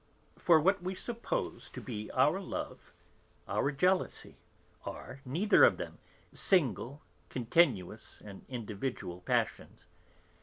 For what we suppose to be our love, our jealousy are, neither of them, single, continuous and individual passions.